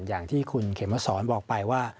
อย่างที่คุณเขมสอนบอกไปว่า